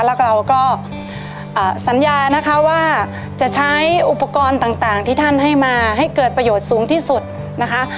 แล้วเราก็สัญญานะคะว่าจะใช้อุปกรณ์ต่างที่ท่านให้มาให้เกิดประโยชน์สูงที่สุดนะคะ